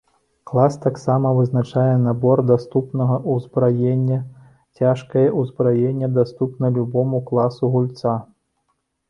Клас таксама вызначае набор даступнага ўзбраення, цяжкае ўзбраенне даступна любому класу гульца.